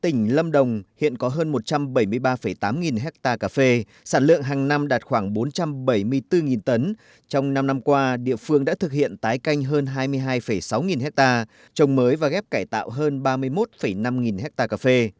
tỉnh lâm đồng hiện có hơn một trăm bảy mươi ba tám nghìn hectare cà phê sản lượng hàng năm đạt khoảng bốn trăm bảy mươi bốn tấn trong năm năm qua địa phương đã thực hiện tái canh hơn hai mươi hai sáu nghìn hectare trồng mới và ghép cải tạo hơn ba mươi một năm nghìn hectare cà phê